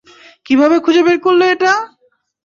কীভাবে খুঁজে বের করলে এটা?